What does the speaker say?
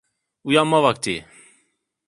Uyanma vakti.